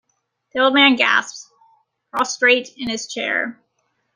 The old man gasps, prostrate in his chair.